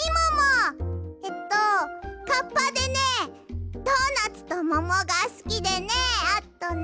えっとカッパでねドーナツとももがすきでねあとね。